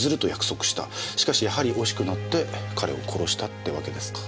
しかしやはり惜しくなって彼を殺したってわけですか。